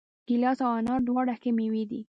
ګیلاس او انار دواړه ښه مېوې دي.